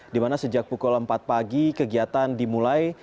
dimana sejak pukul empat pagi kegiatan dimulai